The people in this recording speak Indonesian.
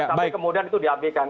jangan sampai kemudian itu di aplikan